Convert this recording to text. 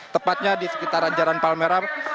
tepatnya di sekitaran jalan palmera